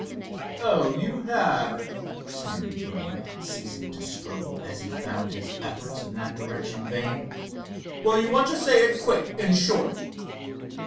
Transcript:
"Oh, you have?" sneered Vernon, ceasing to struggle as he found his efforts in that direction vain. "Well, you want to say it quick and short."